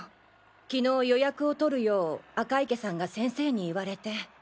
昨日予約を取るよう赤池さんが先生に言われて。